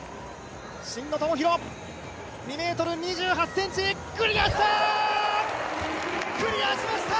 真野友博、２ｍ２８ｃｍクリアした！